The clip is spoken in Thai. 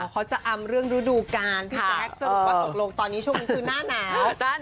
เขาจะอำเรื่องฤดูกาลพี่แจ๊คสรุปว่าตกลงตอนนี้ช่วงนั้นคือหน้าหนาว